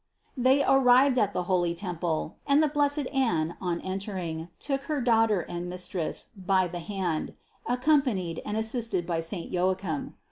They arrived at the holy temple, and the blessed Anne on entering took her Daughter and Mistress by the hand, accompanied and assisted by saint Joachim.